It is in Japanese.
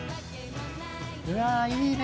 うわいいね。